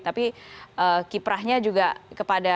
tapi kiprahnya juga kepada